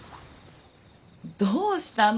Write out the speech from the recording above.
どうしたの？